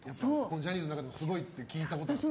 ジャニーズの中でもすごいって聞いたことがある。